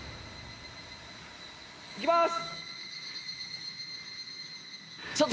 いきます！